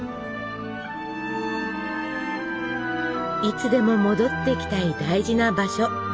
いつでも戻ってきたい大事な場所。